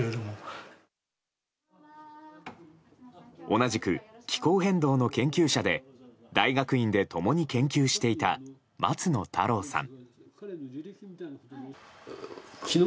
同じく気候変動の研究者で大学院で共に研究していた松野太郎さん。